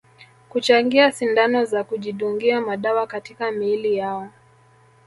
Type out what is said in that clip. Kuchangia sindano za kujidungia madawa katika miili yao